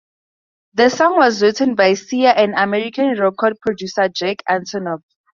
The song was written by Sia and American record producer Jack Antonoff.